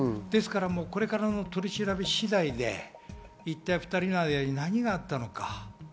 これからの取り調べ次第で一体２人の間に何があったのか。